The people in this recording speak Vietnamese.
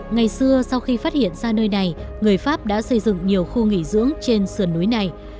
ngày xưa sau khi phát hiện ra nơi này người pháp đã xây dựng nhiều khu nghỉ dưỡng trên sườn núi này